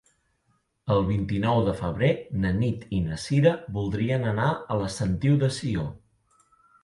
El vint-i-nou de febrer na Nit i na Cira voldrien anar a la Sentiu de Sió.